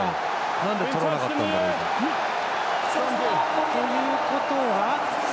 なんで、とらなかったんだろうということは。